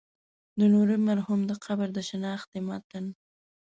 د نوري مرحوم د قبر د شنختې متن.